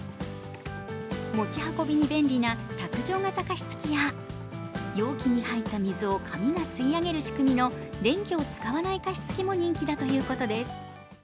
持ち運びに便利な卓上型加湿器や容器に入った水を紙が吸い上げる仕組みの電気を使わない加湿器も人気だということです。